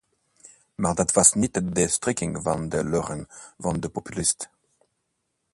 Maar dat was niet de strekking van de leugen van de populist.